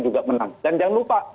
juga menang dan jangan lupa